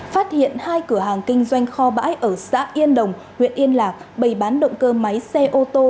phát hiện hai cửa hàng kinh doanh kho bãi ở xã yên đồng huyện yên lạc bày bán động cơ máy xe ô tô